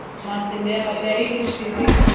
Waliahidi ushirika